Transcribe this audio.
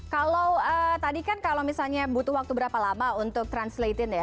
kalau tadi kan kalau misalnya butuh waktu berapa lama untuk translating ya